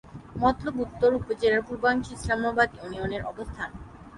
মতলব উত্তর উপজেলার পূর্বাংশে ইসলামাবাদ ইউনিয়নের অবস্থান।